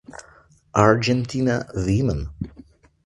Argentina Women